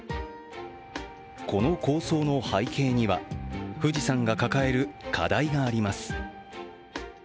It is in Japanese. この構想の背景には、富士山が抱える課題があります。